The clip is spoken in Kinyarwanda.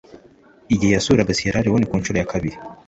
igihe yasuraga Siyera Lewone ku ncuro ya kabiri